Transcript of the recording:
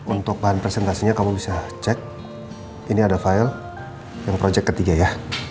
untuk bahan presentasinya kamu bisa cek ini ada file yang project ketiga ya